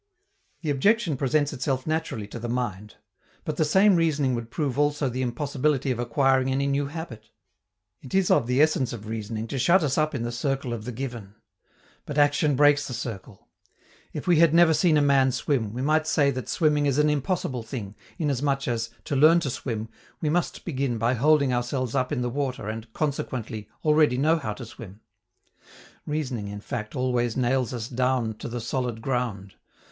The objection presents itself naturally to the mind. But the same reasoning would prove also the impossibility of acquiring any new habit. It is of the essence of reasoning to shut us up in the circle of the given. But action breaks the circle. If we had never seen a man swim, we might say that swimming is an impossible thing, inasmuch as, to learn to swim, we must begin by holding ourselves up in the water and, consequently, already know how to swim. Reasoning, in fact, always nails us down to the solid ground.